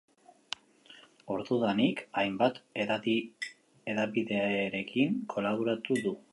Ordudanik, hainbat hedabiderekin kolaboratu du.